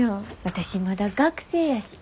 私まだ学生やし。